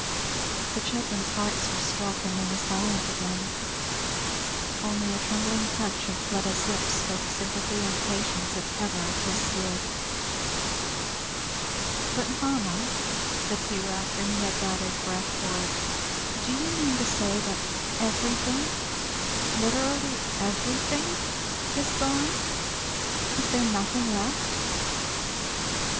The children's hearts were struck, and they were silent again, only a trembling touch of Fleda's lips spoke sympathy and patience if ever a kiss did. "But mamma," said Hugh, after he had gathered breath for it, "do you mean to say that everything, literally everything, is gone? is there nothing left?"